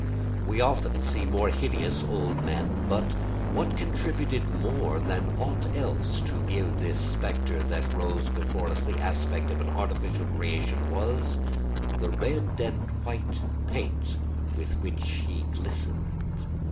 We often see more hideous old men; but what contributed more than aught else to give to the spectre that rose before us the aspect of an artificial creation was the red and white paint with which he glistened.